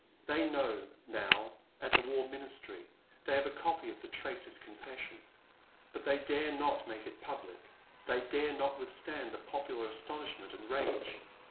They know, now, at the War Ministry — they have a copy of the traitor's confession — ^but they dare not make it public — they dare not withstand the popular astonishment and rage.